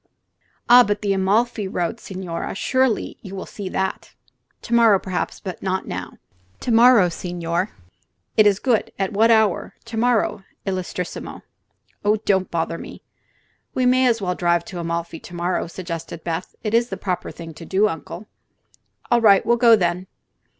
"Ah, but the Amalfi road, signore! Surely you will see that." "To morrow, perhaps; not now." "To morrow, signore! It is good. At what hour, to morrow, illustrissimo?" "Oh, don't bother me." "We may as well drive to Amalfi to morrow," suggested Beth. "It is the proper thing to do, Uncle." "All right; we'll go, then."